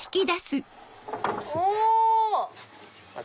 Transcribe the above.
お！